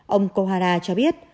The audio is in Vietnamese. ông kahara cho biết